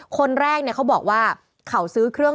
คนแรกเนี่ยเขาบอกว่า